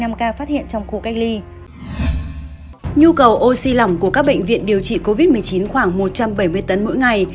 nhu cầu oxy lỏng của các bệnh viện điều trị covid một mươi chín khoảng một trăm bảy mươi tấn mỗi ngày